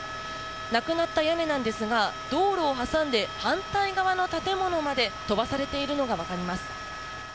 なくなった屋根なんですが道路を挟んで反対側の建物まで飛ばされているのがわかります。